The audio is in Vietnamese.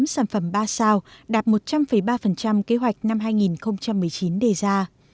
tám mươi tám sản phẩm ba sao đạt một trăm linh ba kế hoạch năm hai nghìn một mươi chín đề ra